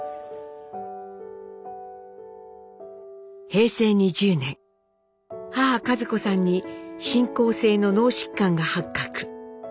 平成２０年母一子さんに進行性の脳疾患が発覚。